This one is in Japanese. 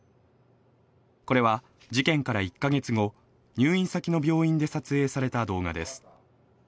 これは事件から１か月後、入院先の病院で撮影された動画です。